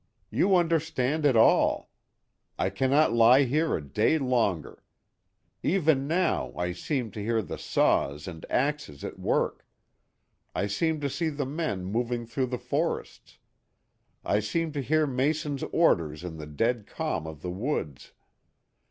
You understand it all. I cannot lie here a day longer. Even now I seem to hear the saws and axes at work. I seem to see the men moving through the forests. I seem to hear Mason's orders in the dead calm of the woods.